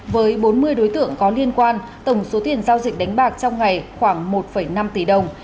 với bốn mươi đối tượng có liên quan tổng số tiền giao dịch đánh bạc trong ngày khoảng một năm tỷ đồng